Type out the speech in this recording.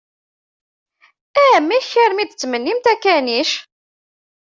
Amek armi i d-tettmennimt akanic?